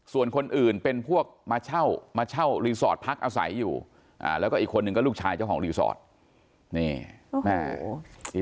ส่วนคนอื่นเป็นพวกมาเช่าเส้าโรงพยาบาลภารกิจหุ้างคนอื่นก็เปิดลูกชายเจ้าของโรงพยาบาล